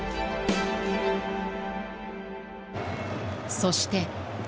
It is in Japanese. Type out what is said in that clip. そして。